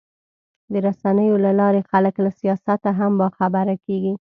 د رسنیو له لارې خلک له سیاست هم باخبره کېږي.